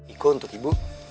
iko untuk ibu